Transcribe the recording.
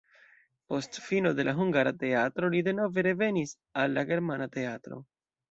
Post fino de la hungara teatro li denove revenis al la germana teatro.